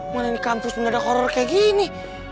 mana nanti kampus bener bener horror kayak gini